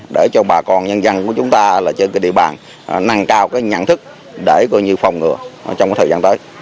để cho bà con nhân dân của chúng ta là trên cái địa bàn năng cao cái nhận thức để gọi như phòng ngừa trong cái thời gian tới